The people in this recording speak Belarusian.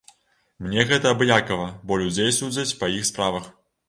Мне гэта абыякава, бо людзей судзяць па іх справах.